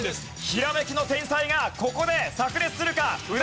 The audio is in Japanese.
ひらめきの天才がここで炸裂するか？